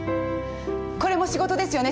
これも仕事ですよね？